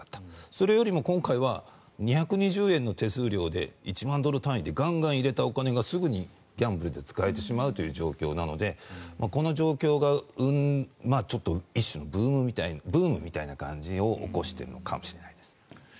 それよりも今回は２２０円の手数料で１万ドル単位でガンガン入れたお金がすぐにギャンブルで使えてしまうという状況なのでこの状況が一種のブームみたいな感じを起こしているのかもしれないです。